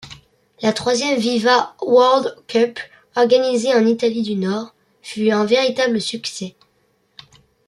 La troisième Viva World Cup, organisée en Italie du Nord, fut un véritable succès.